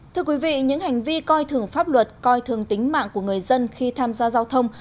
thưa quý vị những hành vi coi thường pháp luật coi thường tính mạng của người dân khi tham gia giao thông